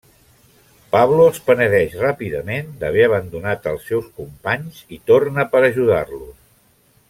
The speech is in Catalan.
Pablo es penedeix ràpidament d'haver abandonat als seus companys i torna per ajudar-los.